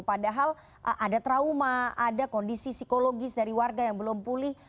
padahal ada trauma ada kondisi psikologis dari warga yang belum pulih